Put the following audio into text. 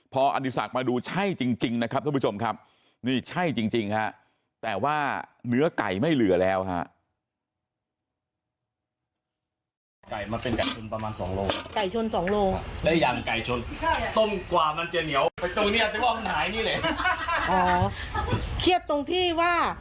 พออดีศักดิ์มาดูใช่จริงนะครับทุกผู้ชมครับนี่ใช่จริงฮะแต่ว่าเนื้อไก่ไม่เหลือแล้วฮะ